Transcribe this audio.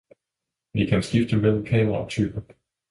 Vi kan skifte mellem kameratyper